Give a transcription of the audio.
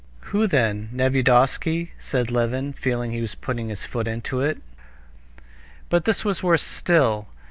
"Who then? Nevyedovsky?" said Levin, feeling he was putting his foot into it. But this was worse still.